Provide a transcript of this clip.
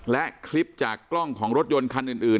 และคลิปจากกล้องของรถยนต์คันอื่น